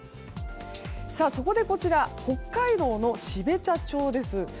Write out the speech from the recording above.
そこでこちら北海道の標茶町です。